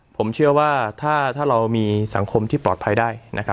ผมเชื่อว่าถ้าเรามีสังคมที่ปลอดภัยได้